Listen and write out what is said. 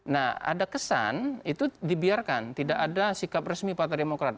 nah ada kesan itu dibiarkan tidak ada sikap resmi partai demokrat